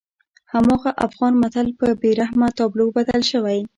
هماغه افغان متل په بېرحمه تابلو بدل شوی.